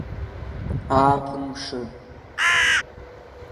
Ааԥын мшы…